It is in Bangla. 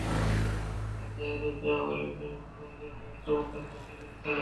আর যায়েদ ইবনে আমর ইবনে নুফাইলের এক চমৎকার কাহিনী রয়েছে।